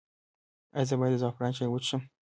ایا زه باید د زعفران چای وڅښم؟